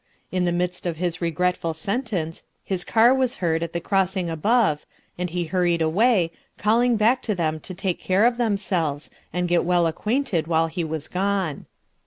In the midst of his regretful sen* tence his car was heard at the crossing above, and he had hurried away, calling back to thorn to take caro of themselves, and get well ac quainted while he was gone.